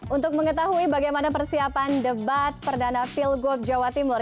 untuk mengetahui bagaimana persiapan debat perdana pilgub jawa timur